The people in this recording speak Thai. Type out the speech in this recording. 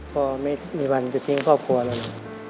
พ่อไม่มีวันจะทิ้งครอบครัวแล้วนะ